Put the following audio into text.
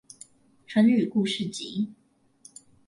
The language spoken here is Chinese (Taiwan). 成語故事集